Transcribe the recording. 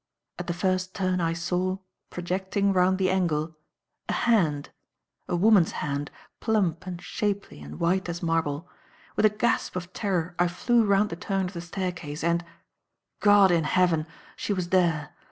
At the first turn I saw, projecting round the angle, a hand a woman's hand, plump and shapely and white as marble. With a gasp of terror I flew round the turn of the staircase and God in Heaven! She was there!